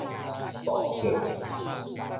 爆擊